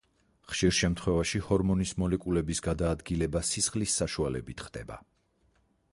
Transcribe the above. ხშირ შემთხვევაში ჰორმონის მოლეკულების გადაადგილება სისხლის საშუალებით ხდება.